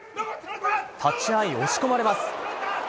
立ち合い、押し込まれます。